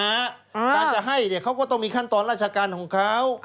การจะให้เขาก็ต้องมีขั้นตอนราชการของเขา